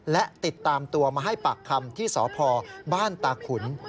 และติดตามตัวมาให้ปากคำที่สพบ้านตาขุน